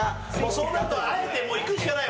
そうなるとあえていくしかない。